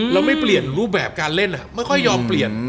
ไม่เปลี่ยนรูปแบบการเล่นไม่ค่อยยอมเปลี่ยน